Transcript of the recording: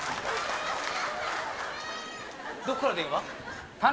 どこから電話？